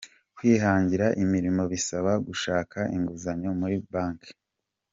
Kwihangira imirimo bibasaba gushaka inguzanyo muri banque.